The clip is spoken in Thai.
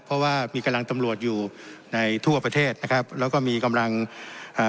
เพราะว่ามีกำลังตำรวจอยู่ในทั่วประเทศนะครับแล้วก็มีกำลังอ่า